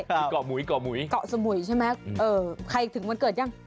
ก็เกาะหมุยก็เกาะหมุยใช่ไหมใครถึงวันเกิดยัง